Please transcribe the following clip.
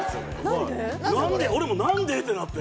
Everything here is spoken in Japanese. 俺も「何で？」ってなって。